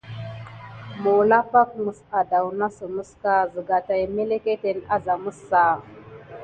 Məwlak pak mes addawnasəmeska, zəga taï mélékéténe azam aské mɓa.